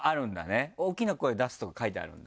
「大きな声出す」とか書いてあるんだ。